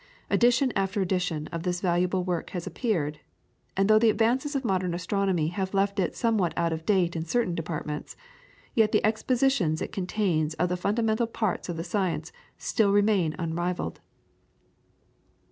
Edition after edition of this valuable work has appeared, and though the advances of modern astronomy have left it somewhat out of date in certain departments, yet the expositions it contains of the fundamental parts of the science still remain unrivalled.